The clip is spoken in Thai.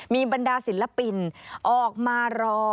มีบรรดาศิลปินออกมารอ